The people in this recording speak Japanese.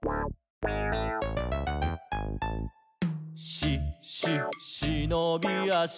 「し・し・しのびあし」